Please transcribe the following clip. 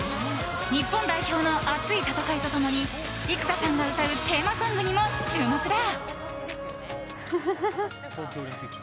日本代表の熱い戦いと共に幾田さんが歌うテーマソングにも注目だ。